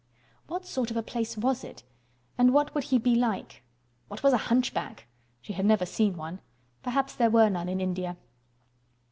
What sort of a place was it, and what would he be like? What was a hunchback? She had never seen one. Perhaps there were none in India.